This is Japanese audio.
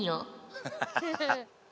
ハハハハハ。